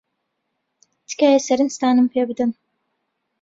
تکایە سەرنجتانم پێ بدەن.